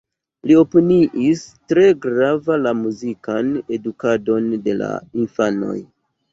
Li opiniis tre grava la muzikan edukadon de la infanoj.